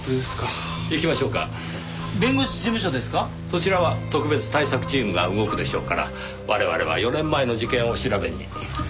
そちらは特別対策チームが動くでしょうから我々は４年前の事件を調べに。